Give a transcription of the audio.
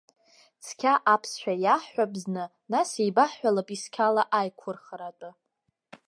Цқьа аԥсшәа иаҳҳәап зны, нас еибаҳҳәалап исқьала аиқәырхара атәы.